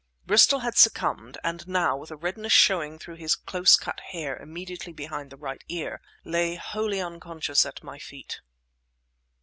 Bristol had succumbed, and now, with a redness showing through his close cut hair immediately behind the right ear, lay wholly unconscious at my feet.